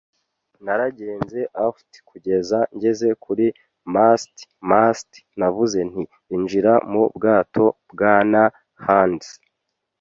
Naragenze aft kugeza ngeze kuri mast-mast. Navuze nti: “Injira mu bwato, Bwana Hands.”